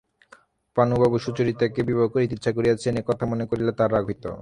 পানুবাবু সুচরিতাকে বিবাহ করিতে ইচ্ছা করিয়াছেন এ কথা মনে করিলে তাহার রাগ হইত।